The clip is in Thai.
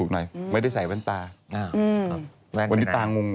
ได้เห็นที่วันนี้